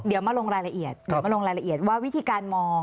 เดี๋ยวมาลงรายละเอียดว่าวิธีการมอง